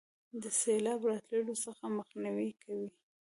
د سیلاب راتللو څخه مخنیوي کوي.